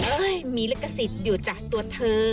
เอ้ยมีลักษิตอยู่จ่ะตัวเธอ